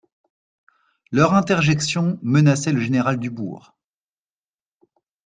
Leurs interjections menaçaient le général Dubourg.